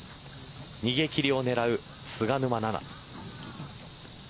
逃げ切りを狙う菅沼菜々。